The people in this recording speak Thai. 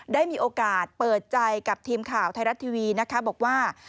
ได้มีโอกาสเปิดใจกับทีมข่าวไทยรัฐทีวีนะคะบอกว่า